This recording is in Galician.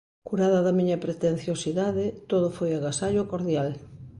Curada da miña pretenciosidade, todo foi agasallo cordial.